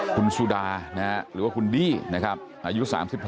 คุณสุดาหรือว่าคุณดี้นะครับอายุ๓๖